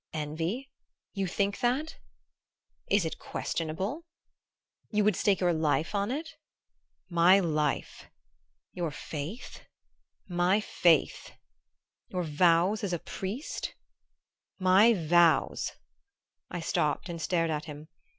"Envy you think that?" "Is it questionable?" "You would stake your life on it?" "My life!" "Your faith?" "My faith!" "Your vows as a priest?" "My vows " I stopped and stared at him.